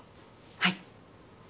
はい。